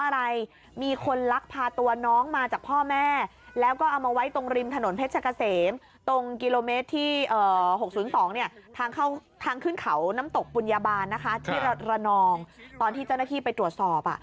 ที่ระนองตอนที่เจ้าหน้าที่ไปตรวจสอบ